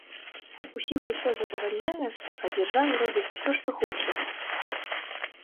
Усіх усё задавальняе, а дзяржава робіць усё, што хоча!